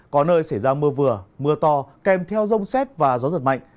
có nơi xảy ra mưa vừa mưa to kèm theo rông xét và gió giật mạnh